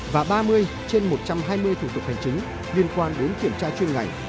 và ba mươi trên một trăm hai mươi thủ tục hành chính liên quan đến kiểm tra chuyên ngành